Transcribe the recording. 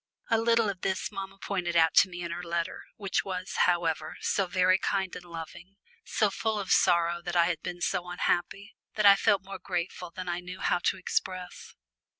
A little of this mamma pointed out to me in her letter, which was, however, so very kind and loving, so full of sorrow that I had been so unhappy, that I felt more grateful than I knew how to express.